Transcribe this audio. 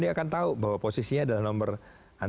dan dia akan tahu bahwa posisinya adalah nomor antrian